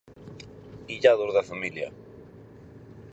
Illados da familia.